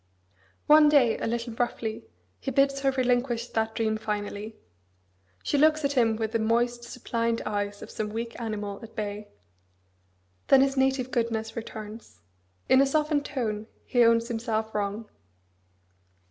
One day, a little roughly, he bids her relinquish that dream finally. She looks at him with the moist, suppliant eyes of some weak animal at bay. Then his native goodness returns. In a softened tone he owns himself wrong.